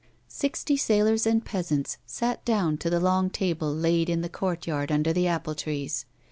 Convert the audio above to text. Sixty sailors and peasants sat down to the long table laid in the courtyard under the apple trees.